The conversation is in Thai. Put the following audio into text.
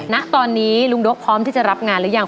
ณตอนนี้ลุงโด๊กพร้อมที่จะรับงานหรือยัง